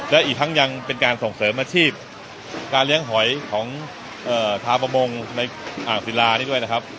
และอีกทั้งยังเป็นการส่งเสริมอาชีพการเลี้ยงหอยของชาวประมงในอ่างศิลานี่ด้วยนะครับ